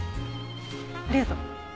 ありがとう。